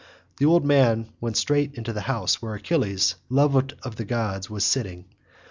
The old man went straight into the house where Achilles, loved of the gods, was sitting.